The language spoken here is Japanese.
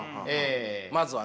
まずはね。